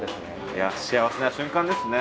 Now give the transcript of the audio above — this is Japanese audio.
いや幸せな瞬間ですね。